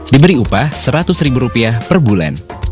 diberi upah seratus ribu rupiah per bulan